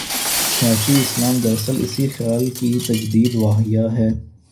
'سیاسی اسلام‘ دراصل اسی خیال کی تجدید و احیا ہے۔